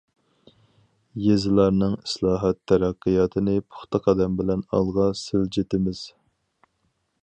يېزىلارنىڭ ئىسلاھات- تەرەققىياتىنى پۇختا قەدەم بىلەن ئالغا سىلجىتىمىز.